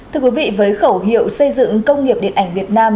thưa quý vị với khẩu hiệu xây dựng công nghiệp điện ảnh việt nam